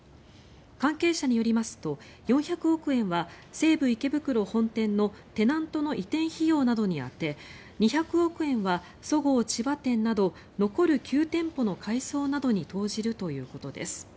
関係者によりますと４００億円は西武池袋本店のテナントの移転費用などに充て２００億円はそごう千葉店など残る９店舗の改装などに投じるということです。